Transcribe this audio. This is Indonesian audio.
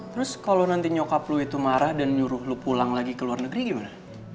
terus kalau nanti nyokap lu itu marah dan nyuruh lu pulang lagi ke luar negeri gimana